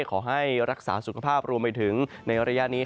ขอให้รักษาสุขภาพรวมไปถึงในระยะนี้